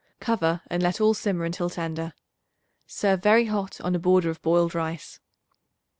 Cover and let all simmer until tender. Serve very hot on a border of boiled rice.